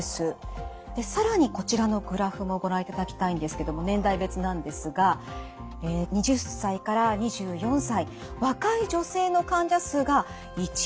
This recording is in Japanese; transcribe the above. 更にこちらのグラフもご覧いただきたいんですけども年代別なんですが２０歳から２４歳若い女性の患者数が一番多いんです。